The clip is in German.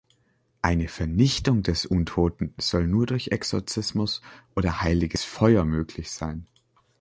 Eine Vernichtung des Untoten soll nur durch Exorzismus oder heiliges Feuer möglich sein.